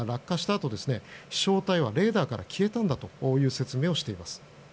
あと飛翔体はレーダーから消えたんだという説明をしています。